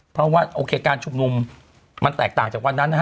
เพราะว่าโอเคการชุมนุมมันแตกต่างจากวันนั้นนะฮะ